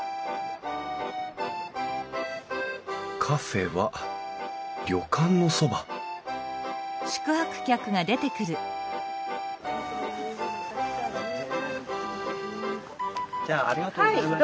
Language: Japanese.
カフェは旅館のそばじゃあありがとうございました。